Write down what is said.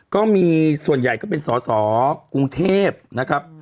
ก็มีส่วนใหญ่ก็เป็นสอสอกรุงเทพนะครับ